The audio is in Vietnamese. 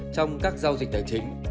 trong các giao dịch tài chính